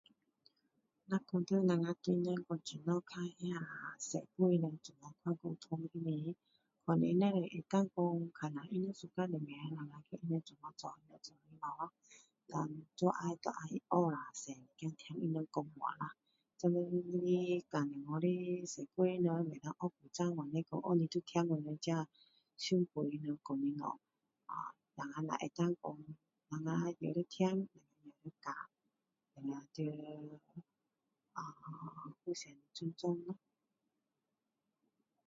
那讲到我们大人讲怎样给那十岁人怎样沟通不是。反正只能讲 看一下他们suka什么。我们跟他们一起做这个东西咯，但都要，都要学啦多一些听他们讲话啦！现在教小孩时不能像旧时你都要听我们这上辈的人讲的东西。我们能够讲，我们也要听，也要教。我们需啊互相尊重咯！